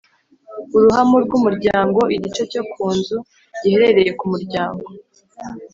uruhamo rw’umuryango: igice cyo ku nzu giherereye ku mu ryango